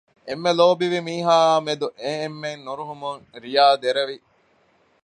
އެންމެ ލޯބިވި މީހާއާ މެދު އެ އެންމެން ނުރުހުމުން ރިޔާ ދެރަވި